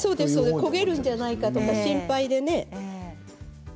焦げるんじゃないかって心配でね。